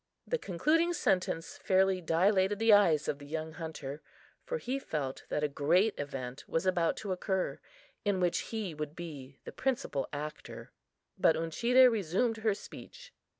The concluding sentence fairly dilated the eyes of the young hunter, for he felt that a great event was about to occur, in which he would be the principal actor. But Uncheedah resumed her speech.